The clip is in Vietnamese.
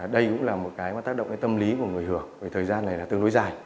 đây cũng là một tác động tâm lý của người hưởng thời gian này tương đối dài